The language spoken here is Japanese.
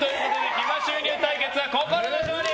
暇収入対決は、こゝろの勝利！